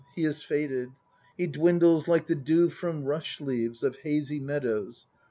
He has faded ; he dwindles Like the dew from rush leaves Of hazy meadows.